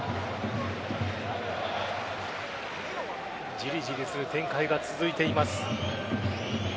ジリジリする展開が続いています。